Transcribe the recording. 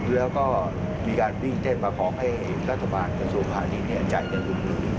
และก็มีการวิ่งเต้นมาขอให้ท่าสุภาษณ์ใจได้คุณผู้